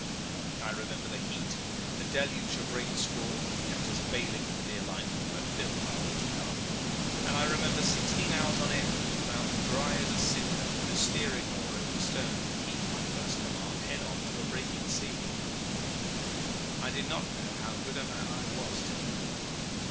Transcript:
I remember the heat, the deluge of rain squalls that kept us baling for dear life (but filled our water cask), and I remember sixteen hours on end with a mouth dry as a cinder and a steering oar over the stern to keep my first command head on to a breaking sea. I did not know how good a man I was till then.